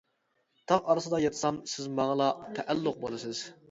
تاغ ئارىسىدا ياتسام سىز ماڭىلا تەئەللۇق بولىسىز!